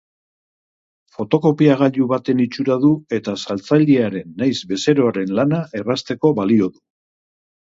Fotokopiagailu baten itxura du eta saltzailearen nahiz bezeroaren lana errazteko balio du.